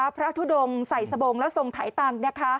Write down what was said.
พระทุดงใส่สบงแล้วทรงถ่ายตังค์